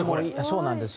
そうなんです。